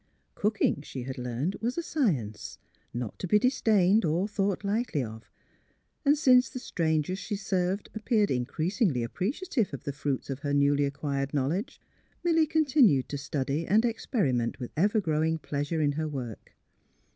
Cooking, she had learned, was a science, not to be disdained or thought lightly of; and since the strangers she served appeared increasingly appreciative of the fruits of her newly acquired knowledge, Milly con tinued to study and experiment with ever growing pleasure in her work.